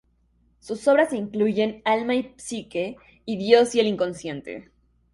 Sus obras incluyen "Alma y psique" y "Dios y el inconsciente".